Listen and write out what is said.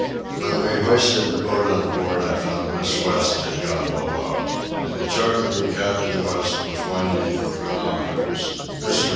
When we hoisted the boat on board I found Miss West had gone below. In the chart room Captain West was winding the chronometers. Mr.